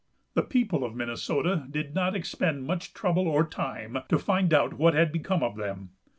The people of Minnesota did not expend much trouble or time to find out what had become of them.